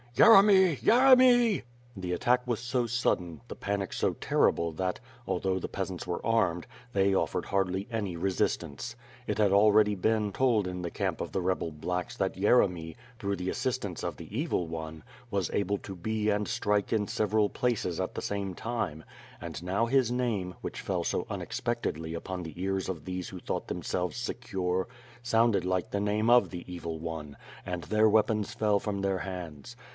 "Yeremy! Yeremy!" The attack was so sudden, the panic so terrible that, al though the peasants were armed, they offered hardly any re sistance. It had already been told in the camp of the rebel blacks that Yeremy, through the assistance of the evil' one, was able to be and strike in several places at the same time, and now his name, which fell so unexpectedly upon the ears of these who thought themselves secure, sounded like the name of the evil one, and their weapons fell from their hands.